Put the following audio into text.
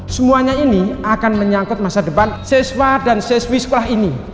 semuanya ini akan menyangkut masa depan siswa dan siswi sekolah ini